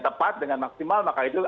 tepat dengan maksimal maka itu